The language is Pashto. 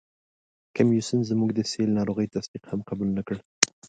کمیسیون زموږ د سِل ناروغي تصدیق هم قبول نه کړ.